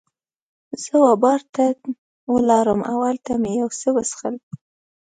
زه وه بار ته ولاړم او هلته مې یو څه وڅښل.